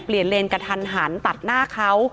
เปลี่ยนเลนกับทันหันตัดหน้าเขา